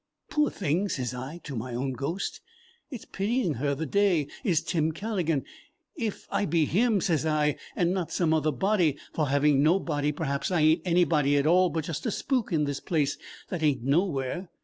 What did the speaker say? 'Poor thing,' sez I to my own ghost, 'it's pitying her the day is Tim Calligan, if I be him,' sez I, 'and not some other body, for having no body perhaps I ain't anybody at all, but just a spook in this place that ain't nowhere.'